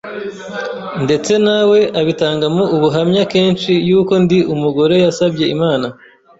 ndetse na we abitangamo ubuhamya kenshi yuko ndi umugore yasabye Imana